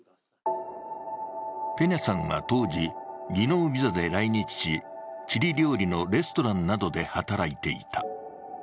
ペニャさんは当時、技能ビザで来日しチリ料理のレストランなどで働いていた。